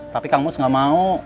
tapi kang mus nggak mau